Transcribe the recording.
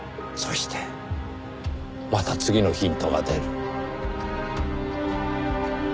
そしてまた次のヒントが出る。